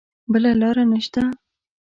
بله لاره نه شته.